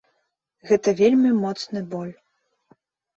Гэта вельмі моцны боль.